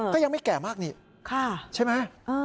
ก็ยังไม่แก่มากนี่ใช่ไหม